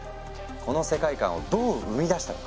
この世界観をどう生み出したのか？